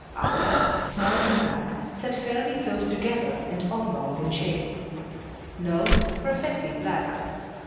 EYES Small and black, set fairly close together, and oblong in shape. NOSE Perfectly black.